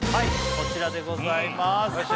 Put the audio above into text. こちらでございます